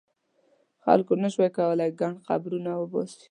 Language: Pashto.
خلکو نه شو کولای ګڼ قبرونه وباسي.